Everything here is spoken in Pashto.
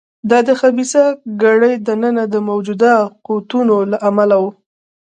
دا د خبیثه کړۍ دننه د موجوده قوتونو له امله و.